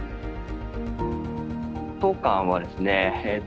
当館はですね